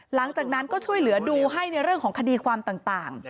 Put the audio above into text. หลังจากนั้นก็ช่วยเหลือดูให้ในเรื่องของคดีความต่าง